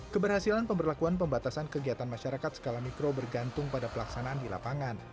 keberhasilan pemberlakuan pembatasan kegiatan masyarakat skala mikro bergantung pada pelaksanaan di lapangan